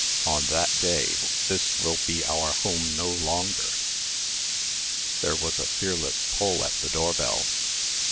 On that day this will be our home no longer." There was a fearless pull at the door bell.